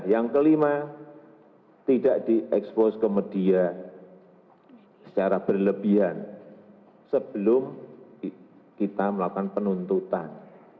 yang kelima tidak diekspos ke media secara berlebihan sebelum kita melakukan penuntutan